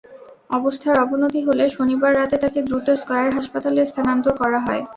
অবস্থার অবনতি হলে শনিবার রাতে তাঁকে দ্রুত স্কয়ার হাসপাতালে স্থানান্তর করা হয়।